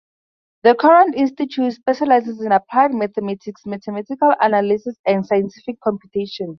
The Courant Institute specializes in applied mathematics, mathematical analysis and scientific computation.